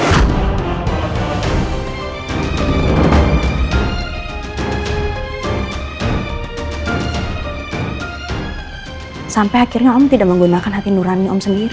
terima kasih sampe akhirnya om tidak menggunakan hati nurani om sendiri